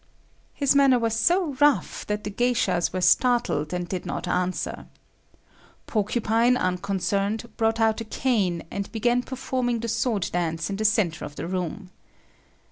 His manner was so rough that the geishas were startled and did not answer. Porcupine, unconcerned, brought out a cane, and began performing the sword dance in the center of the room.